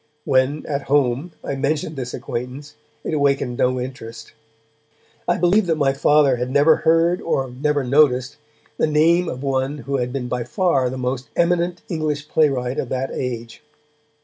When, at home, I mentioned this acquaintance, it awakened no interest. I believe that my Father had never heard, or never noticed, the name of one who had been by far the most eminent English playwright of that age.